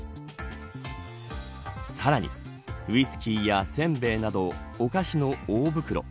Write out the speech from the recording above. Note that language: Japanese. さらにウイスキーやせんべいなどお菓子の大袋。